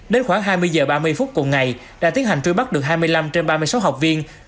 đến khoảng hai mươi h ba mươi phút cùng ngày đã tiến hành truy bắt được hai mươi năm trên ba mươi sáu học viên